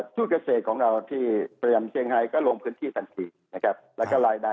ทุกขเศษของเราที่เตรียมเชียงไฮก็ลงพื้นที่บำสริ